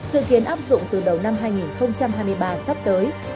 dự kiến áp dụng từ đầu năm hai nghìn hai mươi ba sắp tới